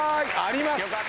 あります。